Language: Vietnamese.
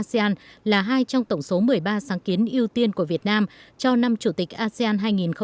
asean là hai trong tổng số một mươi ba sáng kiến ưu tiên của việt nam cho năm chủ tịch asean hai nghìn hai mươi